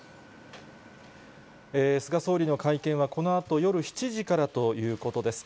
菅総理の会見は、このあと夜７時からということです。